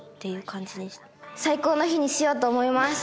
最高の日にしようと思います！